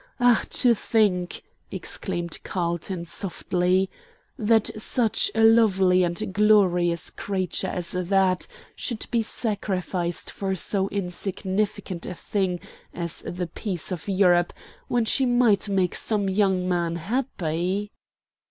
Ah! to think," exclaimed Carlton, softly, "that such a lovely and glorious creature as that should be sacrificed for so insignificant a thing as the peace of Europe when she might make some young man happy?"